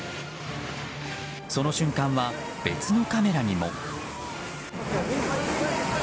その瞬間は別のカメラにも。